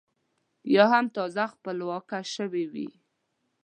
یا هم تازه خپلواکه شوې وي.